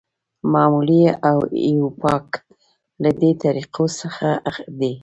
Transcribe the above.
معمولي او ایوپاک له دې طریقو څخه دي.